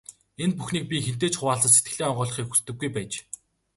Энэ бүхнийг би хэнтэй ч хуваалцаж, сэтгэлээ онгойлгохыг хүсдэггүй байж.